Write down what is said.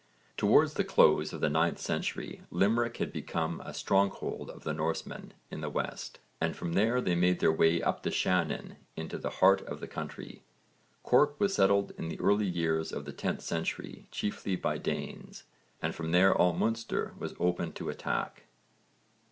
Towards the close of the 9th century Limerick had become a stronghold of the Norsemen in the west, and from there they made their way up the Shannon into the heart of the country. Cork was settled in the early years of the 10th century, chiefly by Danes, and from there all Munster was open to attack.